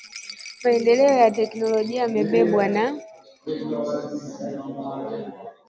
Maendeleo ya teknolojia yamebebwa na